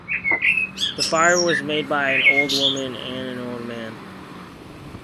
The fire was made by an old woman and an old man.